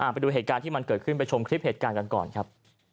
ไปดูเหตุการณ์ที่มันเกิดขึ้นไปชมคลิปเหตุการณ์กันก่อนครับ